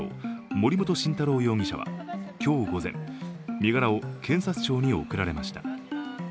・森本晋太郎容疑者は今日午前、身柄を検察庁に送られました。